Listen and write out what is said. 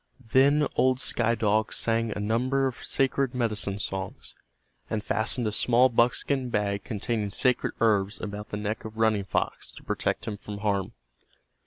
Then old Sky Dog sang a number of sacred medicine songs, and fastened a small buckskin bag containing sacred herbs about the neck of Running Fox to protect him from harm.